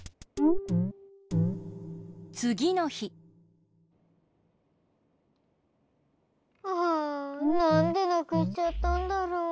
つぎのひはあなんでなくしちゃったんだろう。